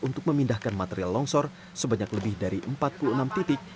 untuk memindahkan material longsor sebanyak lebih dari empat puluh enam titik